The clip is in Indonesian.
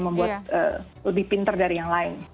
membuat lebih pinter dari yang lain